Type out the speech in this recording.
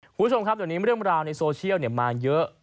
อ่าคุณผู้ชมครับดังนี้เรื่องราวในโซเชียลเนี่ยมาเยอะ